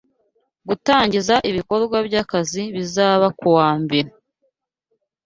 gutangiza ibikorwa by'akazi bizaba kuwa mbere